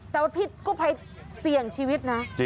แต่ว่าพี่กู้ภัยเสี่ยงชีวิตนะ